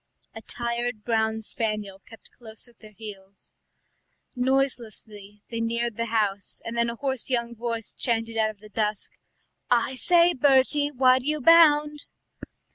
A tired brown spaniel kept close at their heels. Noiselessly they neared the house, and then a hoarse young voice chanted out of the dusk: "I said, Bertie, why do you bound?"